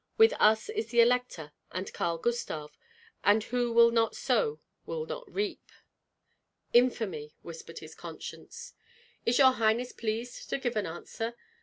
With us is the Elector and Karl Gustav; and who will not sow will not reap." "Infamy!" whispered his conscience. "Is your highness pleased to give an answer?"